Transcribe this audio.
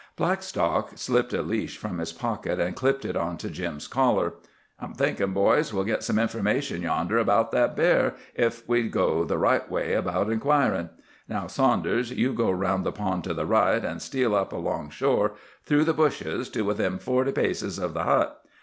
Blackstock slipped a leash from his pocket and clipped it onto Jim's collar. "I'm thinkin', boys, we'll git some information yonder about that bear, ef we go the right way about inquirin'. Now, Saunders, you go round the pond to the right and steal up along shore, through the bushes, to within forty paces of the hut.